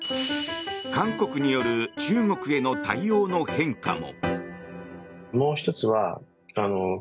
韓国による中国への対応の変化も。